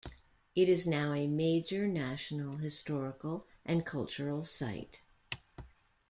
It is now a Major National Historical and Cultural Site.